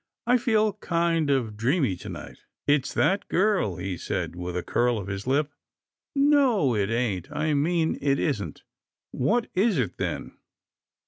I feel kind of dreamy to night." " It's that girl," he said, with a curl of his lip. " No it ain't — I mean it isn't." " What is it, then?"